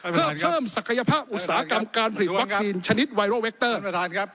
เพื่อเพิ่มศักยภาพอุตสาหกรรมการผลิตวัคซีนชนิดไวรัลเวคเตอร์